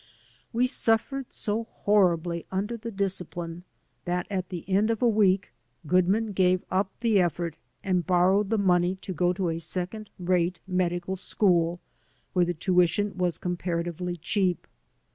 We suffered so horribly under the discipline that at the end of a week Goodman gave up the effort and borrowed the money to go to a second rate medical school where the tuition was comparatively cheap.